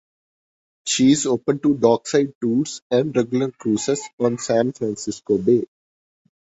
She is open to dockside tours and regular cruises on San Francisco Bay.